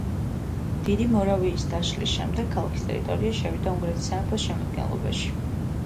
დიდი მორავიის დაშლის შემდეგ ქალაქის ტერიტორია შევიდა უნგრეთის სამეფოს შემადგენლობაში.